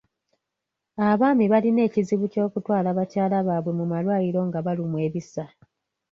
Abaami balina ekizibu ky'okutwala bakyala baabwe mu malwaliro nga balumwa ebisa.